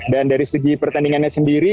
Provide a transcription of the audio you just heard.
dan dari segi pertandingannya sendiri